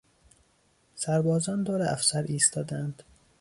سربازان دور افسر ایستادند.